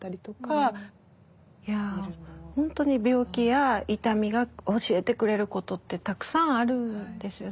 本当に病気や痛みが教えてくれることってたくさんあるんですよね。